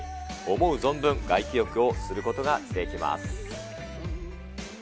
思う存分外気浴をすることができます。